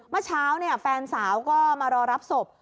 เมื่อเช้าแฟนสาวก็มารอรับศพ